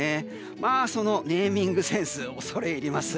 まあそのネーミングセンス恐れ入ります。